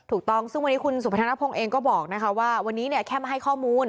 ถูกต้องซึ่งวันนี้คุณสุพัฒนภงเองก็บอกนะคะว่าวันนี้เนี่ยแค่มาให้ข้อมูล